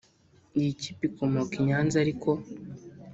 Iyi kipe ikomoka i Nyanza ariko